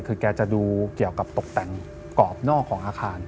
คือแกจะดูเกี่ยวกับตกแต่งกรอบนอกของอาคาร